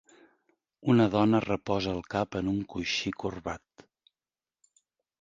Una dona reposa el cap en un coixí corbat.